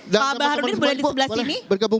pak abah rudin boleh di sebelah sini